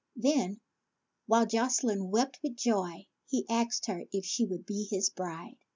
Then, while Jocelyne wept with joy, he asked her if she would be his bride.